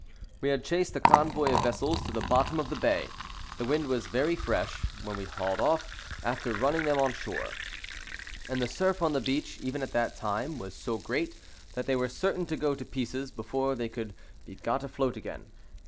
We had chased a convoy of vessels to the bottom of the bay: the wind was very fresh when we hauled off, after running them on shore; and the surf on the beach even at that time was so great, that they were certain to go to pieces before they could be got afloat again.